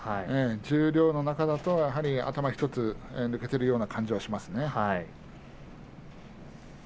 十両の中では頭１つ抜けているような感じがしますね。